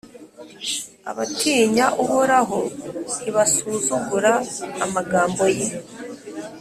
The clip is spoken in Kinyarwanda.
Abatinya Uhoraho ntibasuzugura amagambo ye,